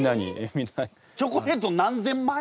チョコレートを何千枚？